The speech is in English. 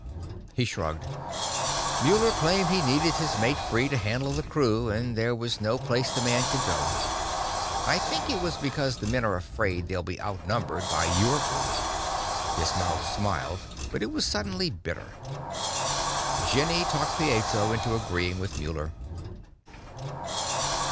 He shrugged. "Muller claimed he needed his mate free to handle the crew, and that there was no place the man could go. I think it was because the men are afraid they'll be outnumbered by your group." His mouth smiled, but it was suddenly bitter. "Jenny talked Pietro into agreeing with Muller."